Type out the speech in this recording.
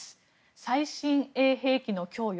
最新鋭兵器の供与？